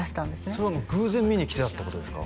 それは偶然見に来てたってことですか？